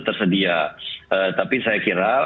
tersedia tapi saya kira